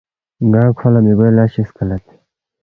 ن٘انگ کھو لہ مِہ گوے لس چِی سکلید،